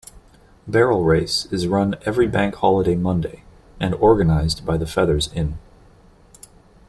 Barrel Race is run every bank holiday Monday, and organised by The Feathers Inn.